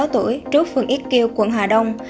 bốn mươi sáu tuổi trước phường yết kiêu quận hà đông